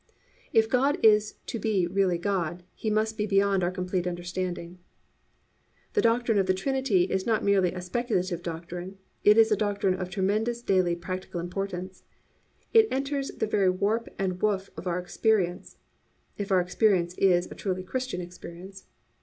If God is to be really God, He must be beyond our complete understanding. The doctrine of the Trinity is not merely a speculative doctrine. It is a doctrine of tremendous daily practical importance. It enters into the very warp and woof of our experience, if our experience is a truly Christian experience.